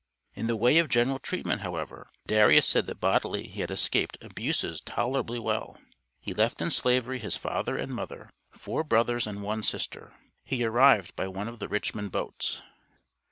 In the way of general treatment, however, Darius said that bodily he had escaped "abuses tolerably well." He left in slavery his father and mother, four brothers and one sister. He arrived by one of the Richmond boats.